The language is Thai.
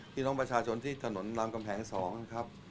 พี่น้องประชาชนที่ถนนรามกำแหง๒นะครับ